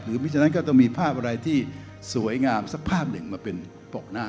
มิฉะนั้นก็ต้องมีภาพอะไรที่สวยงามสักภาพหนึ่งมาเป็นตกหน้า